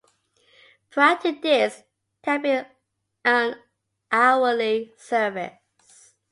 Prior to this, there had been an hourly service.